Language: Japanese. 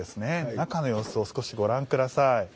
中の様子をご覧ください。